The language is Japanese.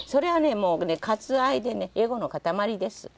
もうね渇愛でねエゴの塊です。